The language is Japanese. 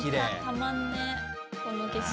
たまんねえこの景色。